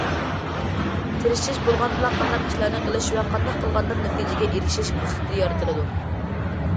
تىرىشىش بولغاندىلا قانداق ئىشلارنى قىلىش ۋە قانداق قىلغاندا نەتىجىگە ئېرىشىش پۇرسىتى يارىتىلىدۇ.